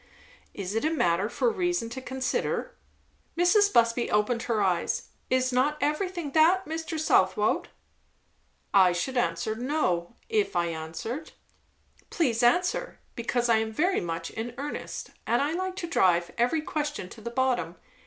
"Is it a matter for reason to consider?" Mrs. Busby opened her eyes. "Is not everything that, Mr. Southwode?" "I should answer 'no,' if I answered." "Please answer, because I am very much in earnest; and I like to drive every question to the bottom.